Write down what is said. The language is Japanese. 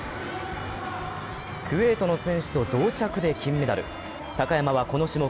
クウェートの選手と同着で金メダル高山はこの種目